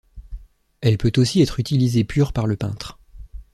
Elle peut aussi être utilisée pure par le peintre.